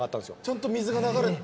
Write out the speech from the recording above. ちゃんと水が流れて。